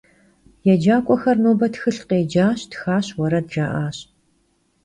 Yêcak'uexer nobe txılh khêcaş, txaş, vuered jja'aş.